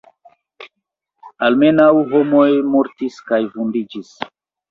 Almenaŭ homoj mortis kaj vundiĝis.